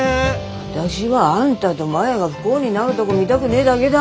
私はあんたとマヤが不幸になるどこ見だくねだけだ。